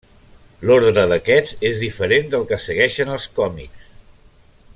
L'ordre d'aquests és diferent del que segueixen els còmics.